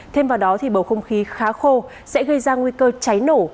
thêm vào đó thì bầu không khí khá khô sẽ gây ra nguy cơ cháy nổ